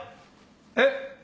えっ？